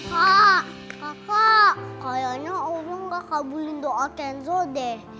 kak kakak kayaknya orang gak kabulin doa kenzo deh